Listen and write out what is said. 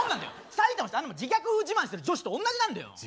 埼玉の人あんなもん自虐風自慢してる女子と同じなんだよ。